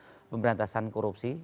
proses pemberantasan korupsi